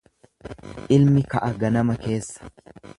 Ilmi ka'a ganama keessa.